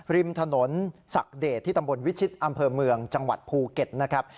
ริมถนนศักดิ์เดชที่ตำบลวิชิตอำเภอเมืองจังหวัดภูเก็ตนะครับ